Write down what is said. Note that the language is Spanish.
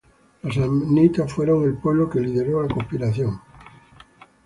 Los samnitas fueron el pueblo que lideró la conspiración.